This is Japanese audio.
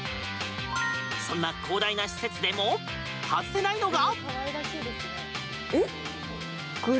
そんな広大な施設でも外せないのが。